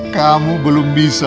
kamu belum bisa